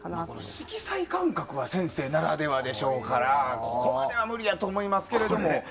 色彩感覚は先生ならではでしょうからここまでは無理やと思いますけど。